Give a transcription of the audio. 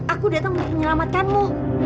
aku datang untuk menyelamatkanmu